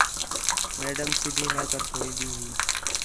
میڈم سدھی نہ کر چُھڑین٘دی ہی